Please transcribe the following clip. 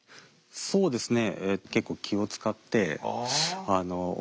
そうですね。